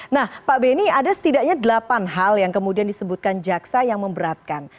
nah pak beni ada setidaknya delapan hal yang kemudian disebutkan jaksa yang memberatkan